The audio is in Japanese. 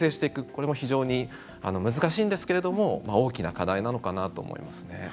これも非常に難しいんですけれども大きな課題なのかなと思いますね。